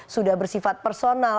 sudah bersifat personal